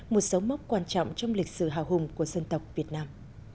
một số mốc quan trọng trong lịch sử hào hùng của dân tộc việt nam